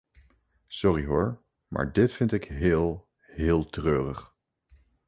Sorry hoor, maar dit vind ik heel, heel treurig.